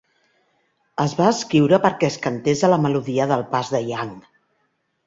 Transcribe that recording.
Es va escriure perquè es cantés a la melodia del pas de Yang.